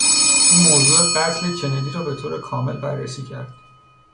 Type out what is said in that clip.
او موضوع قتل کندی را به طور کامل بررسی کرد.